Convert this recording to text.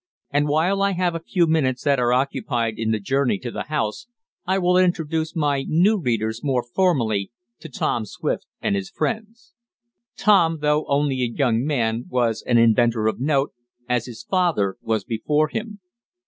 And while I have a few minutes that are occupied in the journey to the house I will introduce my new readers more formally to Tom Swift and his friends. Tom though only a young man, was an inventor of note, as his father was before him.